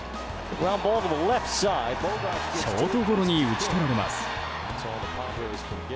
ショートゴロに打ち取られます。